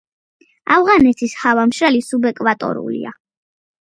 ავღანეთის ჰავა მშრალი, სუბეკვატორულია.